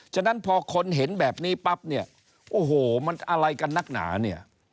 ฉะนั้นพอคนเห็นแบบนี้ปั๊บเนี่ยโอ้โหมันอะไรกันนักหนาเนี่ย